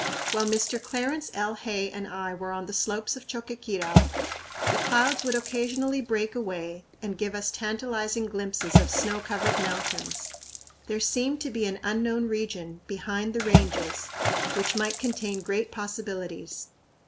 While Mr. Clarence L. Hay and I were on the slopes of Choqquequirau the clouds would occasionally break away and give us tantalizing glimpses of snow covered mountains. There seemed to be an unknown region, "behind the Ranges," which might contain great possibilities.